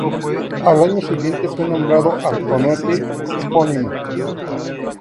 Al año siguiente fue nombrado arconte epónimo.